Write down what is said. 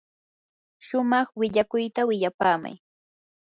shumaq willakuyta willapaamay.